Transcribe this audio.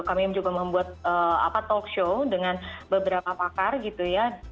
kami juga membuat talk show dengan beberapa pakar gitu ya